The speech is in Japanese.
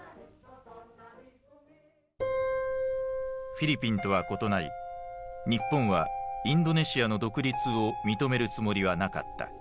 フィリピンとは異なり日本はインドネシアの独立を認めるつもりはなかった。